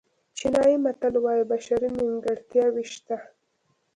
چینایي متل وایي بشري نیمګړتیاوې شته.